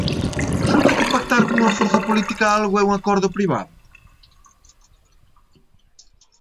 ¿Resulta que pactar cunha forza política algo é un acordo privado?